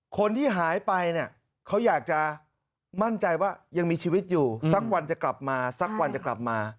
คนที่หายไปเนี่ยเขาอยากจะมั่นใจว่ายังมีชีวิตอยู่สักวันจะกลับมาสักวันจะกลับมา